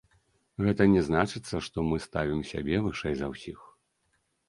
Гэта не значыцца, што мы ставім сябе вышэй за ўсіх.